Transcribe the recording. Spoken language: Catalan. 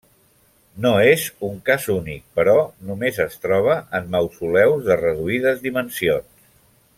No és un cas únic, però només es troba en mausoleus de reduïdes dimensions.